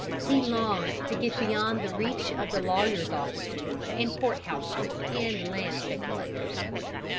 He longed to get beyond the reach of lawyers' offices, and court houses, and land speculators.